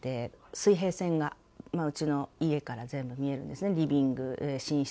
水平線がうちの家から全部見えるんですね、リビング、寝室。